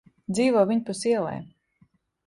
Dzīvo viņpus ielai.